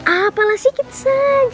apalah sikit saja